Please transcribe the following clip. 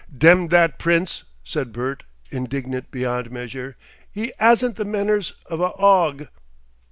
"Dem that Prince," said Bert, indignant beyond measure. "'E 'asn't the menners of a 'og!"